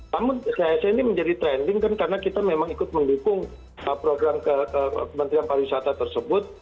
namun saya ini menjadi trending kan karena kita memang ikut mendukung program kementerian pariwisata tersebut